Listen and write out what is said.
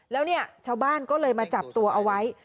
แล้วเนี่ยชาวบ้านก็เลยมาจับตัวเอาไว้